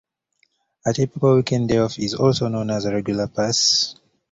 A typical weekend day off is also known as a regular pass.